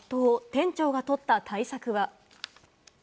店長がとった対策は。